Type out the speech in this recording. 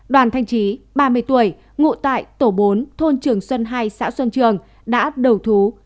đoàn thanh trí ba mươi tuổi ngụ tại tổ bốn thôn trường xuân hai xã xuân trường đã đầu thú